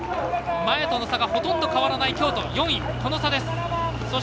前との差がほとんど変わらない京都、４位。